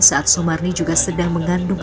saat sumarni juga sedang mengandung